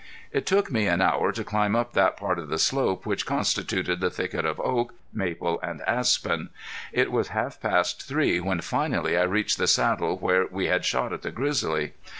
It took me an hour to climb up that part of the slope which constituted the thicket of oak, maple and aspen. It was half past three when finally I reached the saddle where we had shot at the grizzly.